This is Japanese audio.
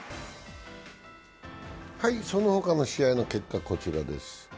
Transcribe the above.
その他の試合の結果、こちらです。